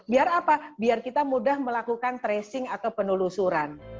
biar apa biar kita mudah melakukan tracing atau penelusuran